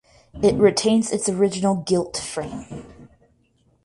It retains its original gilt frame.